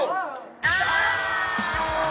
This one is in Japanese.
あ！